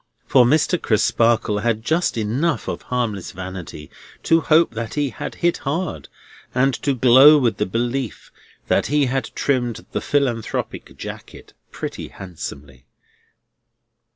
For Mr. Crisparkle had just enough of harmless vanity to hope that he had hit hard, and to glow with the belief that he had trimmed the Philanthropic Jacket pretty handsomely.